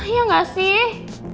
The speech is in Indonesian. ya gak sih